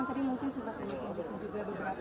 beberapa penjalanan dari bung karno